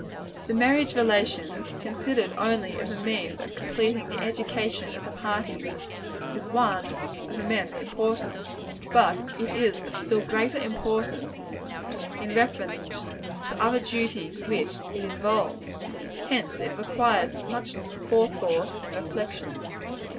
The marriage relation, considered only as a means of completing the education of the parties, is one of immense importance. But it is of still greater importance, in reference to other duties which it involves. Hence it requires much forethought and reflection.